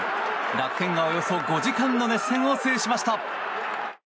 楽天がおよそ５時間の熱戦を制しました。